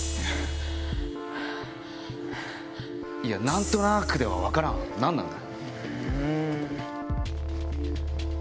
「何となく」では分からん何なんだ？